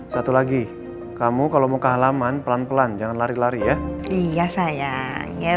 satu lagi kamu kalau mau ke halaman pelan pelan jangan lari lari ya iya sayang ya udah kalau gitu sampai ketemu ya love you